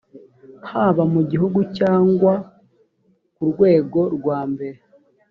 haba mu gihugu cyangwa ku rwego rwambere